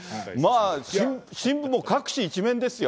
新聞も各紙、１面ですよ。